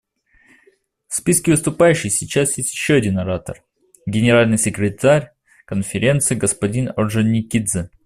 В списке выступающих сейчас есть еще один оратор — Генеральный секретарь Конференции господин Орджоникидзе.